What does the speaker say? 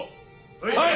はい！